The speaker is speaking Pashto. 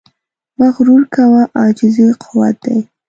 مه غرور کوه، عاجزي قوت دی.